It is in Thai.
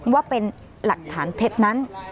ว่าเป็นหลักฐานเท็จนั้น